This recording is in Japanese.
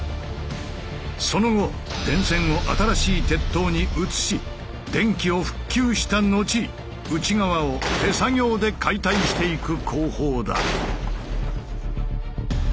その後電線を新しい鉄塔に移し電気を復旧した後内側を手作業で解体していく工法だ。